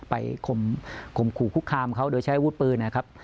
ข่มขู่คุกคามเขาโดยใช้อาวุธปืนนะครับ